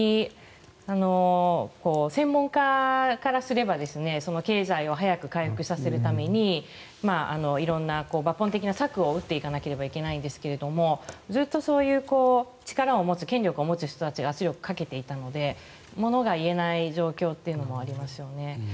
専門家からすれば経済を早く回復させるために色んな抜本的な策を打っていかなくてはならないんですがずっとそういう力を持つ権力を持つ人たちが圧力をかけていたのでものが言えない状況というのもありますよね。